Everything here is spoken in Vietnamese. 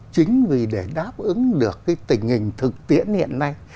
chính vì để đáp ứng được cái tình hình thực tiễn hiện nay